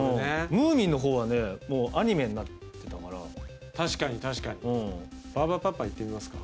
ムーミンの方はねもうアニメになってたから確かに確かにうんバーバパパいってみますか？